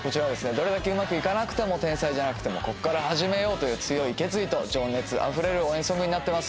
どれだけうまくいかなくても天才じゃなくてもこっから始めようという強い決意と情熱あふれる応援ソングになってます。